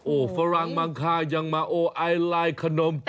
โอ้ฝรั่งมังคายังมาโอ้ไอลายขนมครก